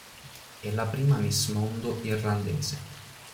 È la prima Miss Mondo irlandese.